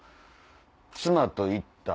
妻と行った。